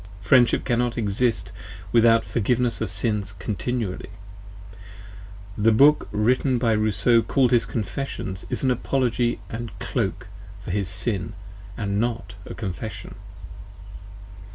Friendship cannot exist without forgiveness of sins continually. The Book written by Rousseau call'd his Confessions is an apology & cloke for his 45 sin & not a confession.